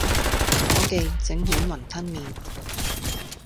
伙記，整碗雲吞麵